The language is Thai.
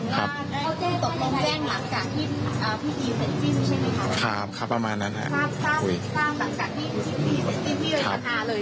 หมายถึงว่าต้องแจ้งหลักจากพี่พี่เซ็นซี่สุดใช่ไหมครับ